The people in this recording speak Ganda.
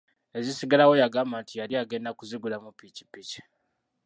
Ezisigalawo yagamba nti yali agenda kuzigulamu pikipiki.